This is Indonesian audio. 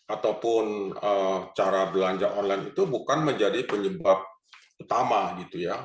ataupun cara belanja online itu bukan menjadi penyebab utama gitu ya